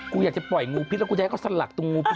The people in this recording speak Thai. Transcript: กูอยากจะปล่อยงูพิษแล้วกูจะให้เขาสลักตรงงูพิษ